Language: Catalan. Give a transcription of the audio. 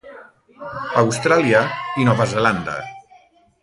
Austràlia i Nova Zelanda.